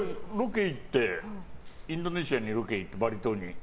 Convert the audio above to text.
インドネシアにロケ行ってバリ島に。